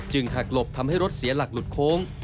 หักหลบทำให้รถเสียหลักหลุดโค้ง